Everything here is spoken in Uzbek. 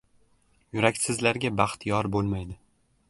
Yuraksizlarga baxt yor bo‘lmaydi.